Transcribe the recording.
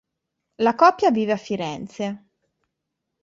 La coppia vive a Firenze.